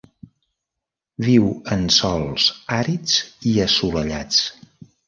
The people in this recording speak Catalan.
Viu en sòls àrids i assolellats.